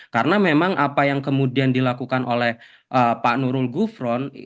karena memang apa yang kemudian dilakukan oleh pak nurul gufron